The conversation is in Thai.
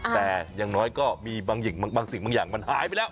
แต่อย่างน้อยก็มีบางสิ่งบางสิ่งบางอย่างมันหายไปแล้ว